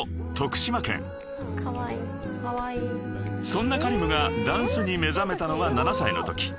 ［そんなＫａｒｉｍがダンスに目覚めたのは７歳のとき］